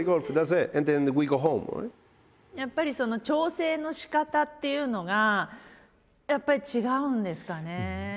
やっぱり調整のしかたっていうのがやっぱり違うんですかね？